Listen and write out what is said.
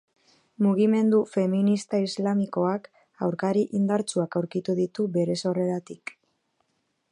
Mugimendu feminista islamikoak aurkari indartsuak aurkitu ditu bere sorreratik.